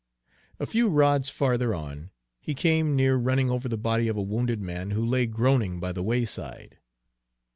A few rods farther on, he came near running over the body of a wounded man who lay groaning by the wayside.